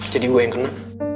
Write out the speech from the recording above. jadi gue yang kena